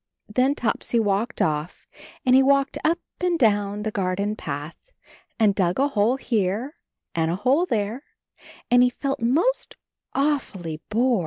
Then Topsy walked off and he walked up and down the garden path, and dug a hole here and a hole there, and he felt most aw fully bored.